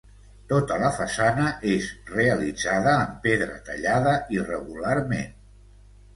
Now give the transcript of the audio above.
Tota la façana és realitzada en pedra tallada irregularment.